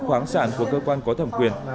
khoáng sản của cơ quan có thẩm quyền